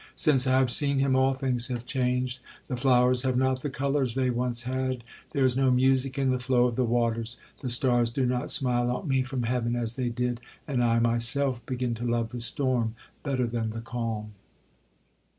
Since I have seen him all things have changed. The flowers have not the colours they once had—there is no music in the flow of the waters—the stars do not smile on me from heaven as they did,—and I myself begin to love the storm better than the calm.'